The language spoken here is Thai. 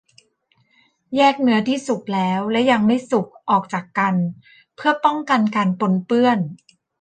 แยกเนื้อที่สุกแล้วและยังไม่สุกออกจากกันเพื่อป้องกันการปนเปื้อน